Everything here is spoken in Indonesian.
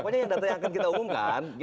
pokoknya data yang akan kita umumkan